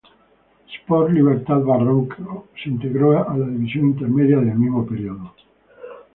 Sport Libertad Barranco, se integró a la División Intermedia del mismo periodo.